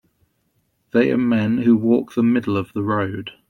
They are men who walk the middle of the road.